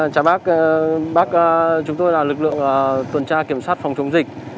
chào bác bác chúng tôi là lực lượng tuần tra kiểm soát phòng chống dịch